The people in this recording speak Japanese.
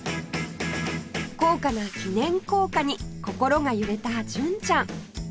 高価な記念硬貨に心が揺れた純ちゃん